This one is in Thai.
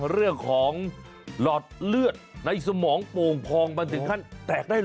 เรื่องของหลอดเลือดในสมองโป่งพองมันถึงขั้นแตกได้เลย